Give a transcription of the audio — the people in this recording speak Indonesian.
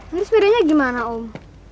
ini sepedanya gimana om